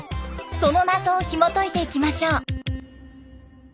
その謎をひもといていきましょう。